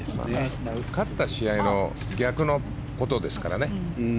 勝った試合の逆のことですからね。